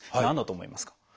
何だと思いますか？